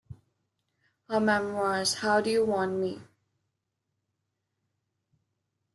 Her memoirs, How Do You Want Me?